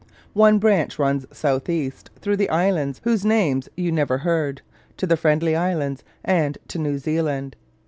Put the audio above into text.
One branch runs south east, through islands whose names you never heard, to the Friendly Islands, and to New Zealand.